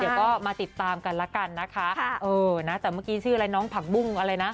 เดี๋ยวก็มาติดตามกันละกันนะคะเออนะแต่เมื่อกี้ชื่ออะไรน้องผักบุ้งอะไรนะ